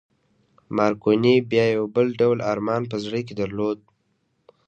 مارکوني بیا یو بل ډول ارمان په زړه کې درلود